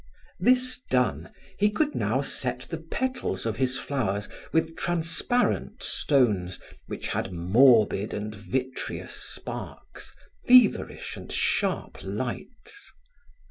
This done, he could now set the petals of his flowers with transparent stones which had morbid and vitreous sparks, feverish and sharp lights.